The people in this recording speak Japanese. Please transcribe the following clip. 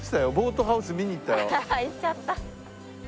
行っちゃった。